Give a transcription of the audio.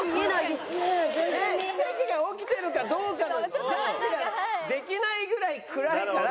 奇跡が起きてるかどうかのジャッジができないぐらい暗いから。